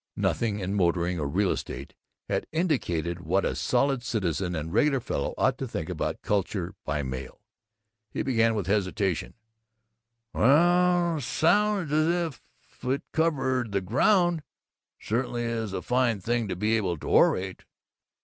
Nothing in motoring or real estate had indicated what a Solid Citizen and Regular Fellow ought to think about culture by mail. He began with hesitation: "Well sounds as if it covered the ground. It certainly is a fine thing to be able to orate.